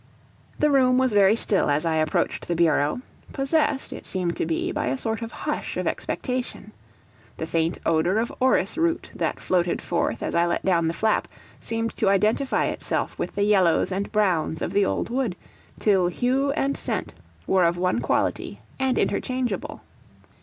The room was very still as I approached the bureau, possessed, it seemed to be, by a sort of hush of expectation. The faint odour of orris root that floated forth as I let down the flap, seemed to identify itself with the yellows and browns of the old wood, till hue and scent were of one quality and interchangeable.